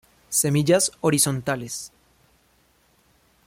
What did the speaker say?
Semillas horizontales.